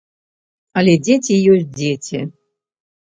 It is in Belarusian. Але дзеці ёсць дзеці.